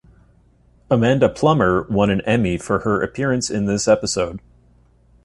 Amanda Plummer won an Emmy for her appearance in this episode.